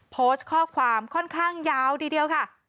โพสต์ข้อความค่อนข้างยาวทีเดียวค่ะ